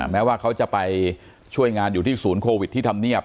แม้ว่าเขาจะไปช่วยงานอยู่ที่ศูนย์โควิดที่ทำเนียบ